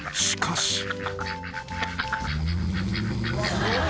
［しかし］